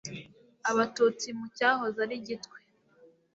abatutsi mu cyahoze ari gitwe